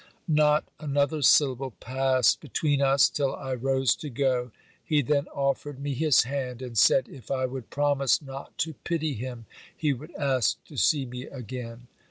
Not another syllable passed between us, till I rose to go. He then offered me his hand, and said if I would promise not to pity him he would ask to see me again.